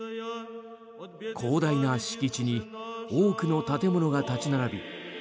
広大な敷地に多くの建物が立ち並び